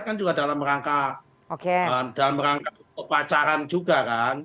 kan juga dalam rangka dalam rangka upacaran juga kan